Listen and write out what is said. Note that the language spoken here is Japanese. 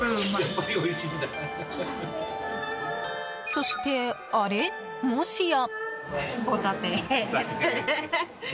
そして、あれもしや？